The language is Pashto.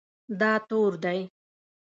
دا تور دی